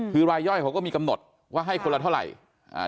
คือรายย่อยเขาก็มีกำหนดว่าให้คนละเท่าไหร่